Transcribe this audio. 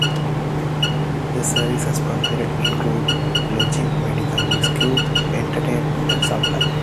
The services provided include lodging, medical rescue, entertainment and supply.